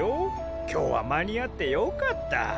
今日は間に合ってよかった。